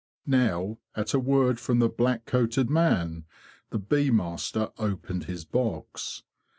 Now, at a word from the black coated man, the bee master opened his box.